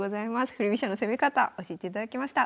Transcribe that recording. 振り飛車の攻め方教えていただきました。